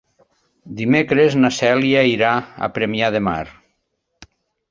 Dimecres na Cèlia irà a Premià de Mar.